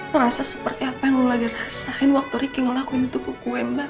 ngerasa seperti apa yang lo lagi rasain waktu ricky ngelakuin itu ke gue mbak